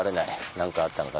何かあったのか？」